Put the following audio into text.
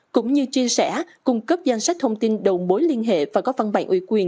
cũng như chia sẻ cung cấp danh sách thông tin đầu mối liên hệ và có văn bản ủy quyền